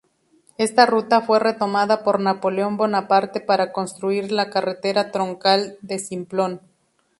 Esta ruta fue retomada por Napoleón Bonaparte para construir la carretera troncal de Simplon.